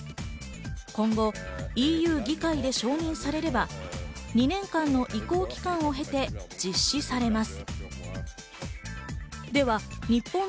今後、ＥＵ議会で承認されれば２年間の移行期間を経て実施されます。